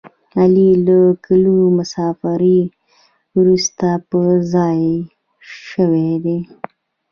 علي له کلونو مسافرۍ ورسته په ځای شوی دی.